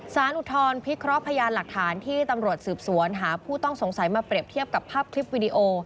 อุทธรณพิเคราะห์พยานหลักฐานที่ตำรวจสืบสวนหาผู้ต้องสงสัยมาเปรียบเทียบกับภาพคลิปวิดีโอ